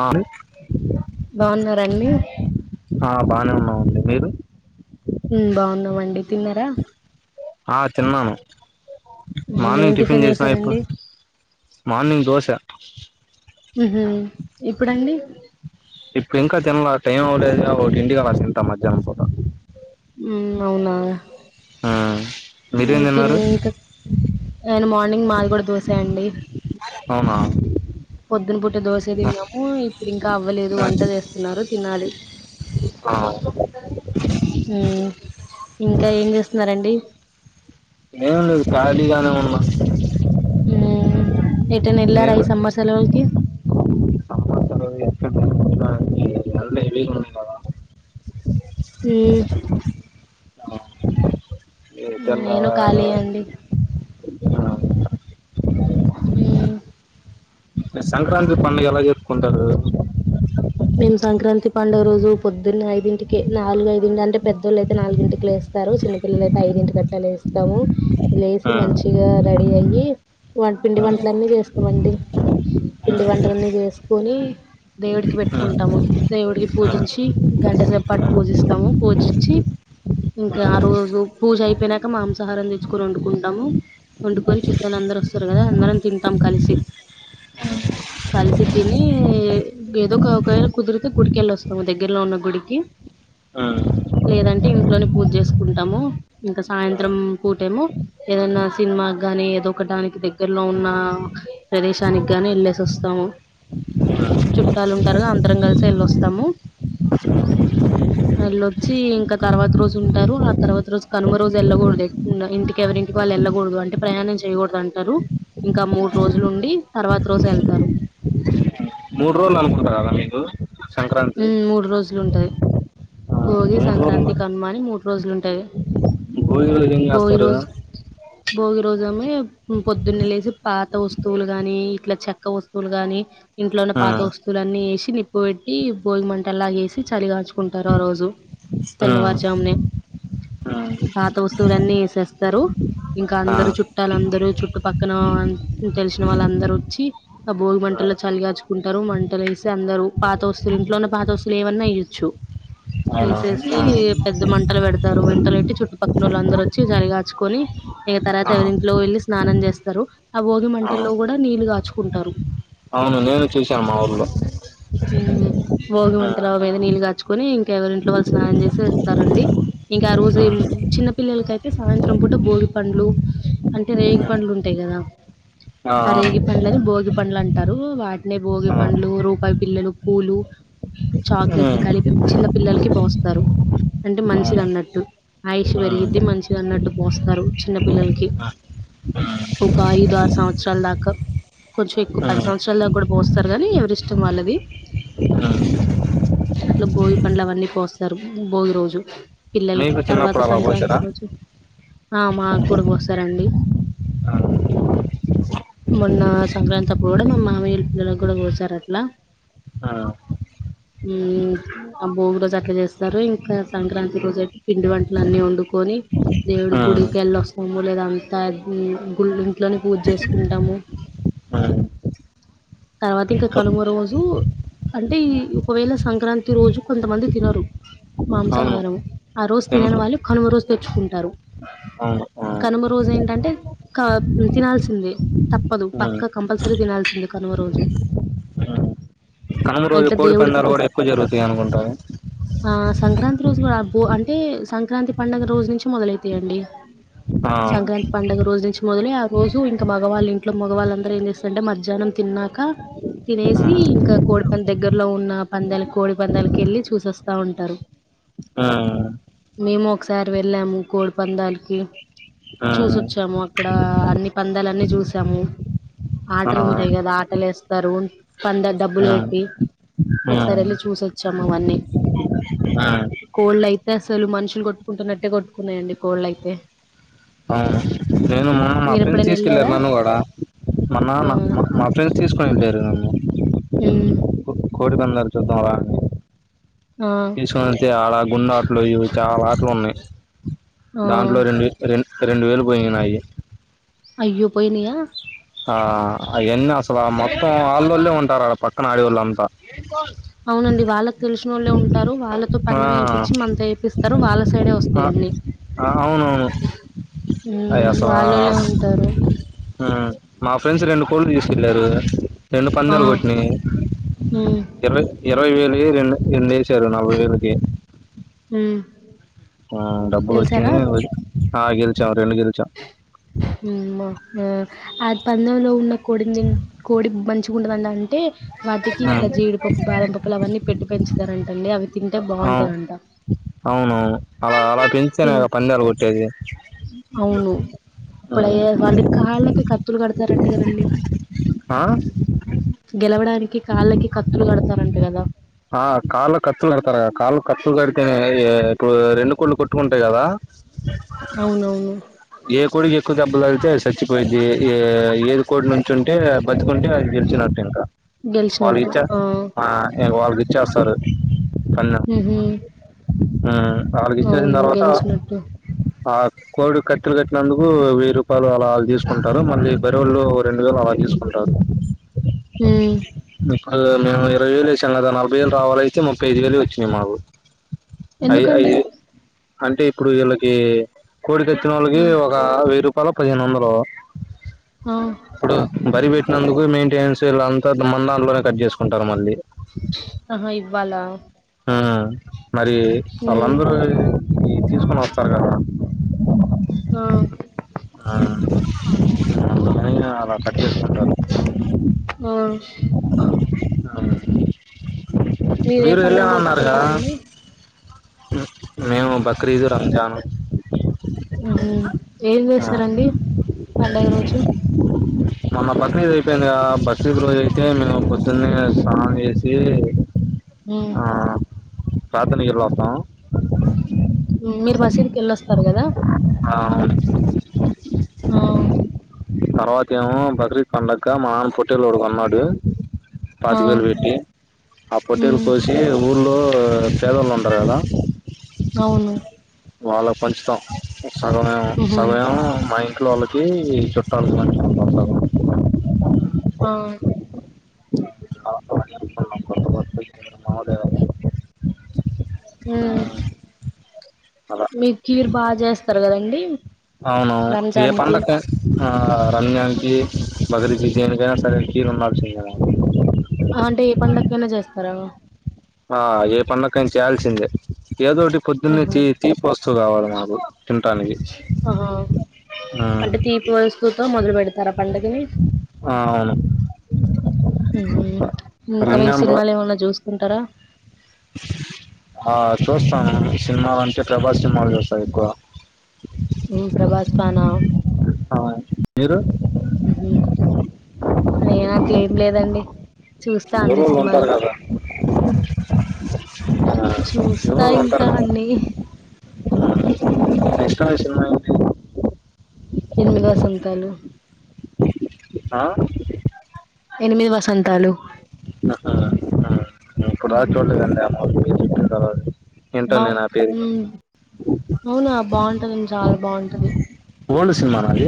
ఆ బాగున్నారండి ఆ బానే ఉన్నా అండ్ మీరు. బాగున్నామండి. తిన్నారా. ఆ తిన్నాను ఉమ్, ఏం మార్నింగ్ టిఫిన్ చేసినా ఇప్పుడు. చేసారండి మార్నింగ్ దోశ. మ్మ్ హ్మ్ ఇప్పుడు ఇంకా తిన్నా టైం ఒంటి గంట ఒకింటికీ అలా తింటా, మధ్యాహ్నం పూట. మ్మ్ అవునా. ఆ మీరేం ఉమ్, తిన్ తిన్నారు? ఇంకా నేను మాది కూడా దోసే అండి. అవునా పొద్దున పూట దోశ తిన్నాము ఇప్పుడు ఇంకా అవ్వలేదు వంట చేస్తున్నారు తినాలి. ఆ మ్మ్ ఇంకా ఏం చేస్తున్నారు అండి. ఏం లేదు, ఖాళీగానే ఉన్నా. హ్మ్ ఎటు అయినా వెళ్లారా ఈ నేను సమ్మర్ సెలవులకి. [inaudible] [inaudible] ఉమ్ ఏ నేను తెన్నావారు ఖాళీ అండి ఉమ్ మీ సంక్రాంతి పండుగ ఎలా జరుపుకుంటారు మేము సంక్రాంతి పండుగ రోజు పొద్దున్నే ఐదు ఇంటికే, నాలుగు ఐదుంటి అంటే, పెద్దోళ్ళ అయితే నాలుగుంటికి లేేస్తారు చిన్నపిల్లల అయితే ఐ. దీంటికట్టలా లేస్తాము లేసి ఆ మంచిగా రెడీ అయ్యి వ పిండి ఆ వంటలన్నీ చేస్ మండి పిండి వంటలన్నీ చేసుకొని దేవుడికి పెట్ ఆ ఆ కుంటాము దేవుడికి పూజించి గంటసేపు పాటు పూజిస్తాము పూజించి ఇంకా ఆ రోజు పూజ అయిపోయినాక, మా మాంసాహారం తెచ్చుకొని వండుకుంటాము. వండుకొని చుట్టాలు అందరూ వస్తారు కదా అందరం తింటాం కలిసి కలిసి తిని ఏదో ఒక ఒకవేలా కుదిరితే గుడికెళ్ళొస్తాము దగ్గరలో ఉన్న గుడికి ఆ లేదంటే ఇంట్లోనే పూజ చేసుకుంటాము, ఇంకా ఆ. సాయంత్రం పూటేమో ఏదన్నా సినిమా. గాని ఏదొ ఒక దానికి దగ్గరలో ఉన్న ప్రదేశానికి గాని వెళ్ళేసి వస్తాము చుట్టాలు ఉంటారు గా అందరం కలిసి వెళ్ళొస్తాము వెల్ళొచ్చి ఇంకా తర్వాత రోజు ఉంటారు, ఆ తర్వాత రోజు కనుమ రోజు వెళ్ళకూడదు ఎట్ ఇంటికి ఎవరింటి. వాళ్ళు వెళ్ళకూడదు అంటే ప్రయాణం చేయకూడదు అంటారు ఇంకా మూడు రోజులుండి తర్వాత రోజు వెళ్తారు మూడు రోజలు అనుకుంటా కదా మీకు సంక్రాంతి ఉమ్ మూడు రోజులు ఉంటది ఆ, భోగి, మూడు రోజులు సంక్రాంతి కనుమ, అని మూడ్ రోజులుంటాయి భోగి రోజు ఏం చేస్తారు భోగి రోజుమే పొద్దున్నే లేసి పాత వస్తువులు గాని, ఇట్ల చెక్క వస్తువులు గాని. ఇంట్లో ఉన్న ఆ, పాత వస్తువులన్నీ ఏసి నిప్పు పెట్ ఈ భోగి మంటలాగేసి చలిగాల్చుకుంటారు ఆ రోజు ఆ, తెల్లవారుజామునే పాత వస్తువులున్నీ వేసేస్తారు ఇంకా ఆ, ఆ, అందరూ చుట్టాలందరూ. చుట్టు పక్కన తెలిసిన వాళ్ళందరూ వచ్చి ఆ భోగి మంటల్లో చలి గాచుకుంటారు మంటలు. ఏసీ అందరూ పాత వస్తులు ఇంట్లోన్న పాత వస్తులు ఏమన్నా ఏయ్యొచ్చు. అవునా ఏసేసి ఆ, పెద్ద మంటలు పెడతారు. మంటలు పెట్టి చుట్టుపక్కన వాళ్ళు అందరు వచ్చి చలి కాల్చుకొని. ఇగ తర్వాత ఆ, ఎవరింట్లో వెళ్ళి స్నానం చేస్తారు, ఆ భోగి ఆ. మంటల్లో కూడ నీళ్లు కాచుకుంటారు. అవును నేను చూశా మా ఊర్లో హ్మ్ భోగి ఆ, వంటల మీద నీళ్ళు కాచుకొని ఇంకా ఎవరింట్లో వాళ్ళు స్నానం చేసి వస్తారండి. ఇంకా ఆ రోజు చిన్న పిల్లలకైతే సాయంత్రం పూట భోగి పండ్లు అంటే రేగి పండ్లు ఉంటాయి. కదా ఆ రేగి పండ్లని, భోగి పండ్లు అంటారు, వాటిని భోగి పండ్లు ఆ, రూపాయి. పిల్లలు పూలు, చాక్లెట్లు ఉమ్, కలిపి చిన్న పిల్లలకి పోస్తారు. అంటే ఆ, మంచిది అన్నట్టు ఆయుష్ ఆ, పెరిగిద్ది మంచిది అన్నట్టు పోస్తారు చిన్న పిల్లలకి. ఆ, ఆ, ఒకా ఐదు, ఆరు సంవత్సరాల దాకా. కొంచెం ఎక్కువ ఆ. పది సంవత్సరాల దాకా కూడ పోస్తారు గానీ ఎవరి ఇష్టం వాళ్ళది. అట్లా భోగి పండ్లు అవన్నీ పోస్తారు భోగి రోజు పిల్లలకి మీకు తర్వాత చిన్నప్పుడు అలా పోసారా సంక్రాంతి రోజు ఆ మా కూడ పోస్తారండీ ఆ, మొన్న సంక్రాంతి అప్పుడు కూడ మా మామయ్యల పిల్లలకు కూడ పోసారు అట్లా. ఆ మ్ ఆ భోగి రోజు అట్లా చేస్తారు. ఇంకా సంక్రాంతి రోజు అయితే పిండి వంటలు అన్నీ వండుకొని, దేవుడి ఆ, గుడికి వెళ్ళొస్తాము. లేదంతా గుళ్ళు ఇంట్లోని పూజ చేసుకుంటాము. ఆ. తర్వాత ఇంకా కనుమ రోజు అంటే ఈ ఒకవేళ సంక్రాంతి రోజు కొంతమంది తినరు. అవును మాంసాహారం ఆ రోజు తినని తినరు వాళ్ళు కనుమ రోజు తెచ్చుకుంటారు. అవును ఆ, కనుమ రోజు ఏంటంటే తినాల్సిందే తప్పదు ఆ. పక్క కంపల్సరీ తినాల్సిందే. కనుమ రోజు కనుమ రోజు ఇట్లా కోడి దేవుడికి పందాలు పె- కూడా ఎక్కువ జరుగుతాయి అనుకుంటా? ఆ సంక్రాంతి రోజు లో కాకుండా అంటే సంక్రాంతి పండుగ రోజు నుంచి మొదలైతాయండి. ఆ పండగ రోజు నుంచి మొదలి ఆ రోజు ఇంకా మగవాళ్ళ ఇంట్లో మగళ్ళందరూ ఏం చేస్తారంటే మధ్యాహ్నం తిన్నాక తినేసి ఇంకా కోడి పంది దగ్గరలో ఉన్న పందాల కోడి పందాలకి వెళ్ళి చూసోస్తా ఉంటారు. ఆ ఆ, మేము ఒకసారి వెళ్ళాము కోడి పందాలకి. ఆ, చూసొచ్చాము అక్కడ అన్ని పందాలన్నీ చూసాము ఆ, ఆటలు ఉంట అ కదా ఆటలు వేస్తారు పందెం డబ్బులు పెట్టి ఆ, ఒకసారి వెళ్ళి చూసొచ్చాము అవన్నీ ఆ, కోళ్ళు అయితే అసలు మనుషులు కొట్టుకుంటున్నట్టే కొట్టుకున్నాయండి కోళ్లు అయితే అవును, నేను మా మీరు ఫ్రెండ్స్ ఎప్పుడైనా తీసుకెళ్ళారు వెళ్ళారా నన్ను కూడా. మా ఆ నాన్న మా ఫ్రెండ్స్ తీసుకొని వెళ్ళారు మమ్ము ఉమ్ కోడి పందాలు చూద్దాం రాఅని. ఆ తీసుకొని వత్తే ఆడ గుండాఆటలు ఇవి చాలా ఆటలు ఉన్నాయి. ఆ దాంట్లో రెండు రెండు వేలు పోయినాయి నావి. అయ్యో పోయనియా? ఆ అవన్నీ అసలు మొత్తం వాళ్ళొల్లే ఉంటారు పక్కన ఆడేవాళ్ళంతా. అవునండి వాళ్ళకి తెలిసిన వాళ్ళే ఉంటారు. వాళ్ళతో ఆ, పందెం వేయించి మనతో వేపిస్తారు వాళ్ళ సైడే ఆ, వస్తాయిన్నీ. ఆ అవునవును ఉమ్ అయసవా వాళ్ళోళ్ళే ఉంటారు మ్ మా ఫ్రెండ్స్ రెండు కోళ్లు తీసుకెళ్ళారు. రెండు ఆ పందాలు కొట్టినాయి. ఉమ్ ఇరవై ఇరవై వేలు రెండు రెండు వేసారు నలభై వేలు. ఓకే మ్ ఆ డబ్బులు వచ్చినాయి. ఆ గెలిచాము రెండు గెలిచాము. ఉ ఆ ఆ పందంలో ఉన్న కోడి కోడి మంచిగుంటుదంద అంటే వాటికి ఇట్లా ఉమ్. జీడిపప్పు, బాదం పప్పులు అవన్నీ పెట్టి పెంచతారుంటండి అవి తింటే అవు బాగుంటదంట అవునవును అలా అలా పెంచితేనే తిన్ కదా పందాలు కొట్టేది. అవును అప్పుడయ ఉమ్. వాళ్ళ కాళ్ళకి కత్తులు కడతారంట కదండీ. ఆ? గెలవడానికి కాళ్ళకి కత్తులు కడతారంట కదా? ఆ కాళ్ళ కు కత్తులు కడతారా? కాళ్ళు కత్తులు కడితే నే అవి ఇప్పుడు రెండు కోళ్లు కొట్టుకుంటాయి కదా అవునవును ఏ కోడికి ఎక్కువ దెబ్బలు తగిలితే చచ్చిపోయిద్ది. కోడి నుంచుంటే బతుకుంటే అది గెలిచినట్టు ఇంకా వాళ్ళకి గెలిచినట్టు ఇచ్చ ఆ వాళ్ళ చేస్తారు కన్న ఉహు అ వాళ్ళకి ఇచ్చేసిన అవును తర్వాత గెలిచినట్టు ఆ కోడి కట్టెలు కట్టినందుకు వెయ్యి రూపాయలు అలాు తీసుకుంటారు మళ్ళీ వేరు వాళ్ళు రెండు వేలు అలా తీసుకుంటారు హ్మ్ అ మేము ఇరవై వేలు వేశాం కదా నలభై వేలు రావాలయితే ముప్పై ఐదు వేలు వచ్చినయి మాకు ఐ ఐ ఎందుకండి అంటే ఇప్పుడు వీళ్ళకి కోడి కట్టిన వాళ్ళకి హ్మ్ ఒక అరవై రూపాయలో పదిహేను వందలో ఆ ఇప్పుడు బర్రె మేపినందుకు మెయింటెనెన్స్ ఇల్లంతా దాంట్లోనే కట్ చేసుకుంటారు మళ్ళీ ఆహా ఇవ్వాల్లా మరి వాళ్ళందరూ ఇవి తీసుకొని వస్తారు కదా అ నయిన అలా కట్ చేసుకుంటారు ఆ అ మీరేం ప ఇ ఉన్నారుగా మేము బక్రీదు రంజాను ఏం చేస్తారంండి పండగ రోజు మొన్న ఒక్రీద్ అయిపోయింది. కదా బక్రీద్ రోజు అయితే మేము పొద్దున్న స్నానం చేసి ఉ ప్రార్థనకెల్లోస్తాం మీరు మసీదుకి వెళ్ళొస్తారు కదా ఆ ఆ తర్వాత ఏమో బక్రిీద్ పండక్క మ నాన్న పోటీల్ ఒకటి కొన్నాడు ఆ పాతిక్ వేలు పెట్టి ఆ పొటేలు ఉమ్ కోసి ఊర్లో లో పేదలు ఉంటార్ కదా అవును వాళ్ళక్ పంచుతాం సగం ఉహు సగమేమో మ ఇం ట్లో వాళ్ళకి చుట్టాలు గాని అ మాడె మ్ అలా మీర్ ఖీర్ బాగ చేస్తారు కదా అండి అవును ఏ పండక్కయిన ఆ రంజానికి ఒక్రీద్ కి దేనికైనా సరైన కీరు ఉండాల్సిందె కదండి స్తరా ఆ ఏ పండక్కైనా చేయాల్సిందే ఏదోటి పొద్దున్న ఆహా తీ తీపిస్త స్తువు కావాలి మాకు తినటానికి ఒహో ఆ, అంటే తీపి వస్తుతో మొదలు పెడతరా పండగని ఆ, అవును ఉహు ఇంకా మీర్ రంజాన్ రో- సినిమాలు ఏమన్నా చూస్తుంటరా ఆ చూస్తాము సినిమాలంటే ప్రభాస్ సినిమాలు చూస్తావు ఎక్కువ ప్రభాస్ పానా ఆ మీరు ఉహు నేనట్లే ఏం లేదండి చూస్తా అన్ని ఎవరు సినిమాలు ఉంటారు కదా చూస్తా ఎవరు ఉంటారు ఇంకా కదా అన్నీ ఇష్టమైన సినిమా అ ఎనిమిది వసంతాలు ఆ ఎనిమిది వసంతాలు అహ నేను ఇప్పటి దాకా ఉమ్ చూడలేదండి ఆ మూవీ ఏంటో బా నేను ఆ పేరు ఉమ్ అవునా బాగుంటందండి చాలా బాగుంటది సినిమానా అది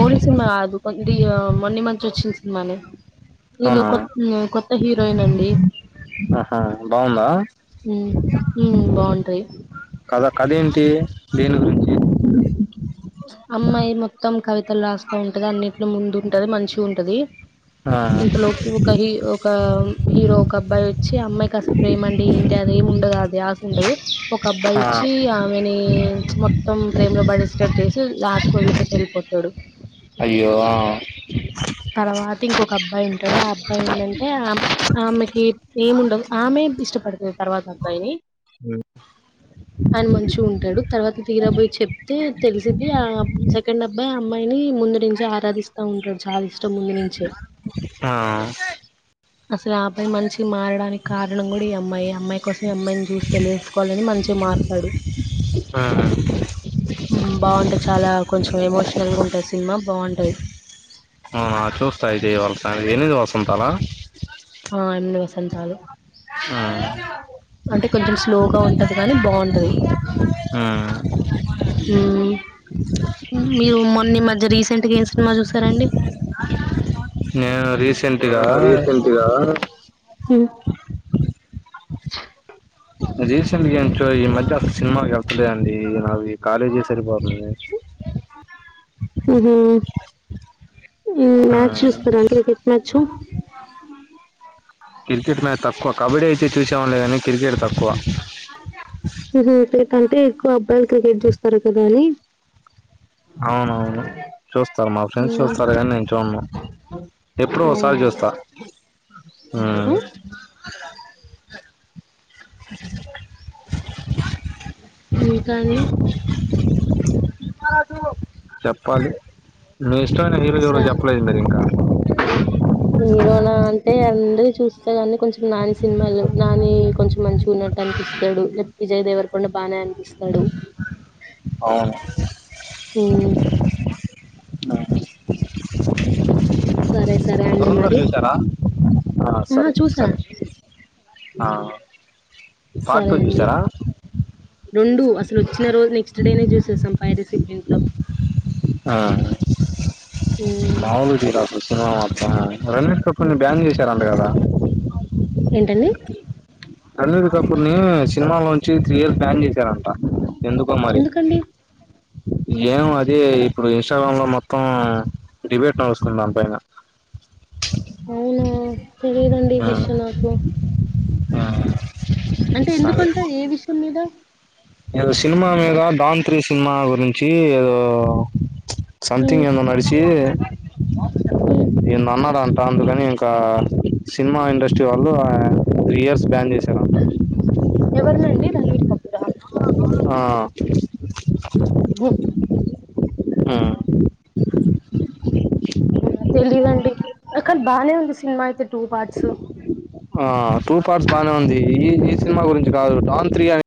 ఓల్డ్ సినిమా కాదు కొ ఇది మొన్న ఈమధ్య వచ్చిన సినిమానే ఇలో అవునా కొ కొత్త హీరోయిన్ అండి ఆహా. బాగుందా ఉ ఉ బాగుంటాయి కథ కథ ఏంటి దేని గురించి అమ్మాయి మొత్తం కవితలు రాస్తా ఉంటది అన్నింటిలో ముందు ఉంటది మంచిగుంటది ఆ. ఇంతలోకి ఒక హీ ఒక హీరో ఒక అబ్బాయి వచ్చి అమ్మాయి అసలు ప్రేమ అంటే ఏంటి అదెమి ఉండదు ఆ ధ్యాస ఉండదు ఒక అబ్బాయి ఆ. వచ్చి ఆమెని మొత్తం ప్రేమ్ లో పడేసి లాస్ట్కు వదిలి పెట్టి వెళ్ళిపోతాడు అయ్యో అయితే ఇంకొక అబ్బాయి ఉంటాడు ఆ అబ్బాయి ఏందంటే ఆ ఆమెకి ఏమి ఉండదు ఆమె ఇష్టపడుతది తర్వాత అబ్బాయి ఆయన మంచిగా ఉంటాడు తర్వాత తీరాబోయి చెప్తే తెలిసిద్ది ఆ సెకండ్ అబ్బాయి అమ్మాయిని ముందు నుంచి ఆరాధిస్తా ఉంటాడు చాలా ఇష్ ష్టం ముందు నుంచె ఆ. ఆ. అసలు ఆ అబ్బాయి మంచిగా మారడానికి కారణం కూడా ఈ అమ్మాయి అమ్మాయి కోసం ఈ అమ్మాయిని చూసి పెళ్లిసుకోవాలని మంచిగా మారతాడు బాగుంటాయి చాలా కొంచెం ఎమోషనల్ గా ఉంటది సినిమా బాగుంటది అవునా చూస్తా అయితే వాళ్ళ సాయంత్రం ఎనిమిది వసంతాల ఆ ఎనిమిది వసంతాలు అంటే కొంచెం స్లోగా ఉం టది గాని బాగుంటది ఆ ఉమ్, మీరు మొన్న ఈ మధ్య రీసెంట్గా ఏం సినిమా చూసారండి నేను ఆ రీసెంట్గా రీసెంట్గా రీసెంట్గా ఇంట్లో ఈ మధ్య అసలు సినిమాకి వెళ్తులే అండి నాకు ఈ కాలేజె సరిపోతుంది ఉహు ఆ మ్యాచ్ చూస్తారా క్రికెట్ మ్యాచ్ క్రికెట్ మ్యాచ్ తక్కువ కబడ్డీ అయితే చూసేవాంలే గాని క్రికెట్ తక్కువ ఇది ఇక్కడ కంటే ఎక్కువ అబ్బాయిలు క్రికెట్ చూస్తారు కదా అని అవునవును చూస్తారు మా ఫ్రెండ్స్ ఉమ్, చూస్తారు కాని నేను చూను ఎప్పుడో ఒకసారి అవునా చూస్తా ఊ ఉమ్, ఇంకా అండి చెప్పాలి మి ఇష్టమైన హీరోజు ఎవరో సార్ చెప్పలేదు మీరు ఇంకా హీరోనా అంటే అందరి చూస్తే కానీ కొంచెం నాని సినిమాలు నాని కొంచెం మంచిగా ఉన్నట్టు అనిపిస్తాడు విజయ్ దేవర్కొండ బానే అనిపిస్తాడు అవును ఉం సరే సరే అండి దురందర్ మరి చూసారా ఆ ఆహా సరే చూసా సరే ఆ పార్ట్ సరే టూ అండి చూసారా రెండు అసలు వచ్చిన రోజు నెక్స్ట్ డేనే చూసేసాం పైరసి ప్రింట్లో ఆ బగుదరాలు సినిు మాత్ర [unintelligible] రమేష్ కపూర్ ని బ్యాన్ చేశారు అంట కదా [unintelligible] ఏంటండి రణబీర్ కపూర్ని సినిమాలో నుంచి త్రీ ఇయర్స్ బాన్ చేశారంట ఎందుకో మరి ఎందుకండి ఏం అదే ఇప్పుడు ఇన్స్టాగ్రామ్ లో మొత్తం డిబేట్ నడుస్తుంది దానిపైన అవునా తెలియదండి ఈ ఉమ్ విషయం నాకు అంటే సరే ఎందుకంటే ఏ విషయం మీద ఏదో సినిమా మీద డాన్ త్రి సినిమా గురించి ఏదో సంథింగ్ ఎందో నడిచి ఎందొ అన్నడు అంట అందుకని ఇంకా సినిమా ఇండస్ట్రీ వాళ్ళు త్రీ ఇయర్స్ బ్యాన్ చేసి ఎవరినండి రణవీర్ కపూరా ఆ ఉ ఉం ఉం తెలీయదండి కానీ బానే ఉంది సినిమా అయితే టూ పార్ట్స్ ఆ టూ పార్ట్స్ బాగానే ఉంది ఈ ఈ సినిమా గురించి కాదు డాన్ త్రీ అని